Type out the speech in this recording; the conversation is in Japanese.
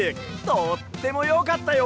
とってもよかったよ！